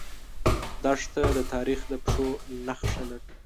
دښته د تاریخ د پښو نخښه لري.